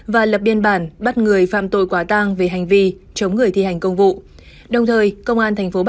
và lập biên bản bắt người phạm tội quá tăng về hành vi chống người thi hành công vụ